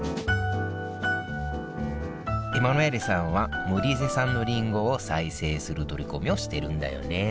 エマヌエーレさんはモリーゼ産のりんごを再生する取り組みをしてるんだよね